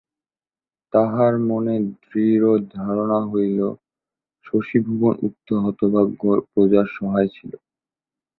তাঁহার মনে দৃঢ় ধারণা হইল শশিভূষণ উক্ত হতভাগ্য প্রজার সহায় ছিল।